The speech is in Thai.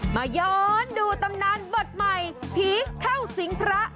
มาย้อนดูตำนานบทใหม่ผีเข้าสิงพระ